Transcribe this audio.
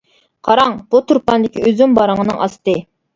قاراڭ، بۇ تۇرپاندىكى ئۈزۈم بارىڭىنىڭ ئاستى.